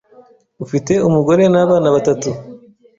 ufite umugore n’ abana batatu